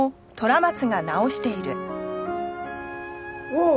おお！